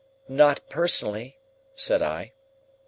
"Not personally," said I.